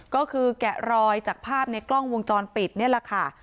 ก็คือแกะรอยจากภาพในกล้องวงจรปิดนี่แหละค่ะ